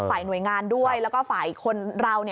ฝ่ายหน่วยงานด้วยแล้วก็ฝ่ายคนเรา